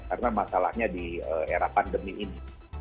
karena masalahnya di era pandemi ini